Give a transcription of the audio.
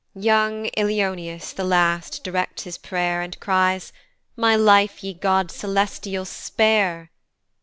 Young Ilioneus, the last, directs his pray'r, And cries, "My life, ye gods celestial! spare."